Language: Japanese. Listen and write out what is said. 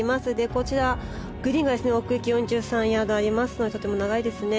こちら、グリーンが奥行き４３ヤードありますのでとても長いですね。